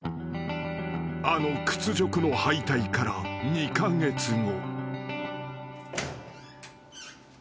［あの屈辱の敗退から２カ月後］